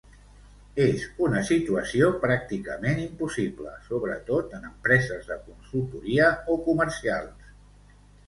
És una situació pràcticament impossible, sobretot en empreses de consultoria o comercials.